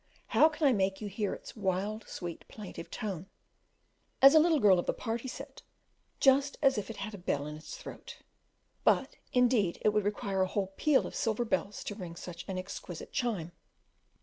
how can I make you hear its wild, sweet, plaintive tone, as a little girl of the party said, "just as if it had a bell in its throat;" but indeed it would require a whole peal of silver bells to ring such an exquisite chime.